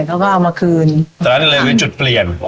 เขาก็เอามาคืนตอนนั้นเลยมีจุดเปลี่ยน